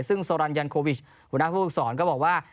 ซึ่งซอรั่นยันโควิชหัวหน้าภูมิสอนก็บอกว่า